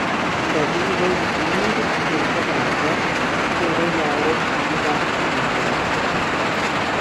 இந்த வீடு ஈடு இருப்பதாகக் கூட யாரோ சொன்னதாக ஞாபகம்.